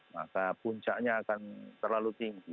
maka puncaknya akan terlalu tinggi